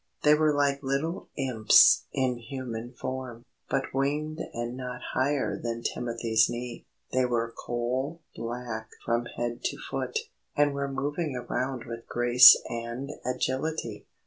They were like little Imps in human form, but winged and not higher than Timothy's knee. They were coal black from head to foot, and were moving around with grace and agility.